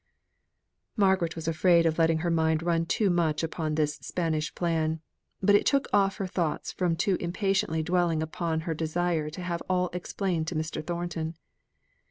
Margaret was afraid of letting her mind run too much upon this Spanish plan. But it took off her thoughts from too impatiently dwelling upon her desire to have all explained to Mr. Thornton.